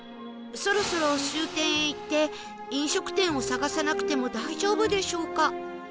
そろそろ終点へ行って飲食店を探さなくても大丈夫でしょうか？